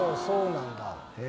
そうなんだ